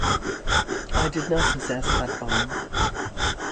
I did not possess that bomb.